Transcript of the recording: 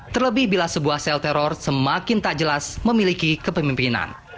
terlebih bila sebuah sel teror semakin tak jelas memiliki kepemimpinan